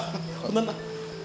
boa bener pak